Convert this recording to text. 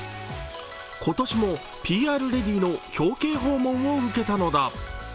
今年もＰＲレディの表敬訪問を受けたのだ。